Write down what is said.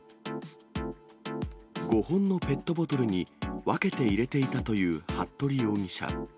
５本のペットボトルに分けて入れていたという服部容疑者。